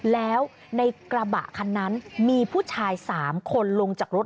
แล้วในกระบะคันนั้นมีผู้ชาย๓คนลงจากรถ